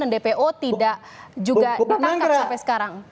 dan dpo tidak juga ditangkap sampai sekarang